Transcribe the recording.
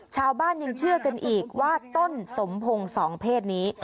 ชาวบ้านยังเชื่อกันอีกว่าต้นสมพงศ์สองเพศนี้